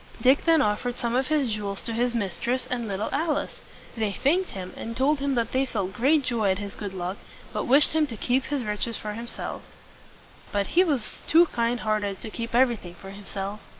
Dick then offered some of his jewels to his mistress and little Alice. They thanked him, and told him that they felt great joy at his good luck, but wished him to keep his riches for himself. But he was too kind heart ed to keep everything for himself.